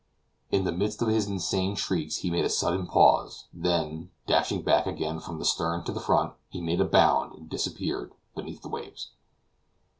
In the midst of his insane shrieks he made a sudden pause, then dashing back again from the stern to the front, he made a bound and disappeared beneath the waves.